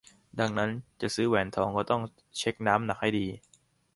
ดังนั้นจะซื้อแหวนทองก็ต้องเช็กน้ำหนักให้ดี